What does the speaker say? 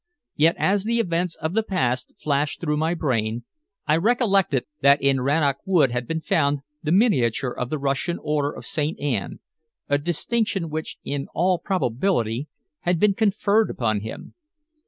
Yet as the events of the past flashed through my brain, I recollected that in Rannoch Wood had been found the miniature of the Russian Order of Saint Anne, a distinction which, in all probability, had been conferred upon him.